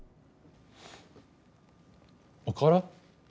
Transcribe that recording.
おから？